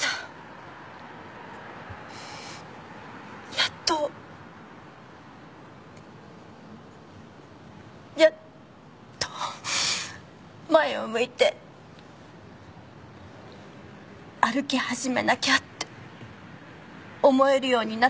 やっとやっと前を向いて歩き始めなきゃって思えるようになった矢先に。